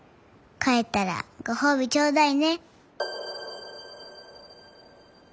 かえったら、ごほうび、ちょうだいね」。